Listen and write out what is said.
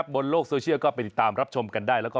ก็อย่าลืมให้กำลังใจเมย์ในรายการต่อไปนะคะ